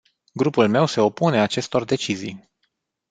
Grupul meu se opune acestor decizii.